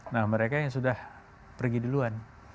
nah mereka yang sudah pergi duluan